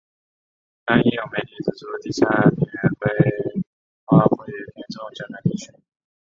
但亦有媒体指出地下铁规划过于偏重江南地区。